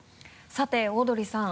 さてオードリーさん。